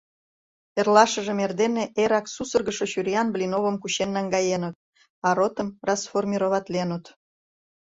Эрлашыжым эрдене эрак сусыргышо чуриян Блиновым кучен наҥгаеныт, а ротым расформироватленыт.